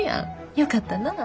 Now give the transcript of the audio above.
よかったなぁ。